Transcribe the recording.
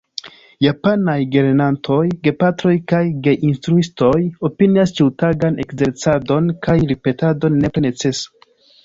Japanaj gelernantoj, gepatroj kaj geinstruistoj opinias ĉiutagan ekzercadon kaj ripetadon nepre necesa.